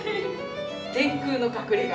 天空の隠れが。